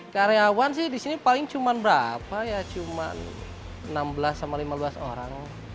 karyawan sih di sini paling cuma berapa ya cuma enam belas sama lima belas orang